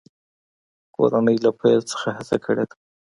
کورنۍ له پیل څخه هڅه کړې ده.